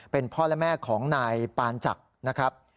เป็นพ่อและแม่ของนายปานจักรนะครับ